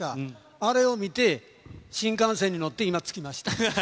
あれを見て、新幹線に乗って、今着きました。